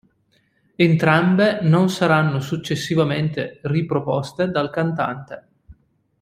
Entrambe non saranno successivamente riproposte dal cantante.